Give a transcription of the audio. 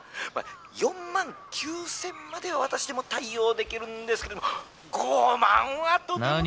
４万９，０００までは私でも対応できるんですけども５万はとてもとても！」。